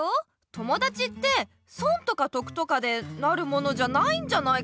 友だちって損とか得とかでなるものじゃないんじゃないかなあ。